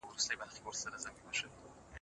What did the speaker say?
کمپيوټر سندونه جوړوي.